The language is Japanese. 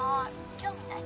興味ない？